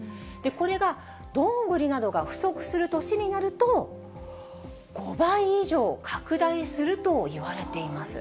これが、ドングリなどが不足する年になると、５倍以上拡大するといわれています。